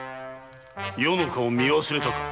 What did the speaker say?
余の顔を見忘れたか。